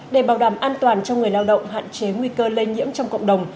để bảo đảm an toàn cho người lao động hạn chế nguy cơ lây nhiễm trong cộng đồng